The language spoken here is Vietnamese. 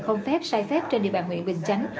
không phép sai phép trên địa bàn huyện bình chánh